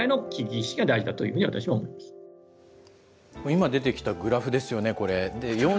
今出てきたグラフですよね、これ。